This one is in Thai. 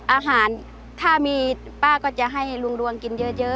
อาหารถ้ามีป้าก็จะให้ลุงดวงกินเยอะ